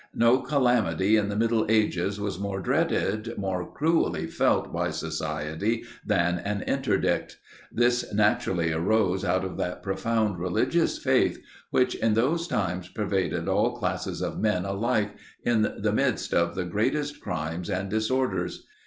No calamity in the middle ages was more dreaded, more cruelly felt by society, than an interdict. This naturally arose out of that profound religious faith, which in those times pervaded all classes of men alike, in the midst of the greatest crimes and disorders.